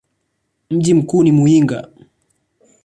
Mji mkuu ni Muyinga.